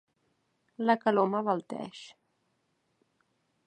La calor m'abalteix.